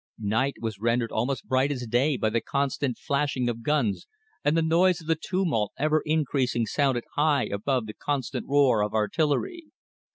Night was rendered almost bright as day by the constant flashing of guns, and the noise of the tumult ever increasing sounded high above the constant roar of artillery.